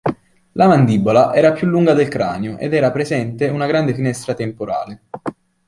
La mandibola era più lunga del cranio, ed era presente una grande finestra temporale.